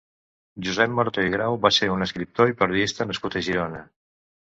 Josep Morató i Grau va ser un escriptor i periodista nascut a Girona.